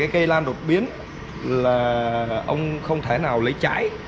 cây lan đột biến là ông không thể nào lấy chải